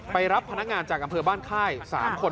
รับพนักงานจากอำเภอบ้านค่าย๓คน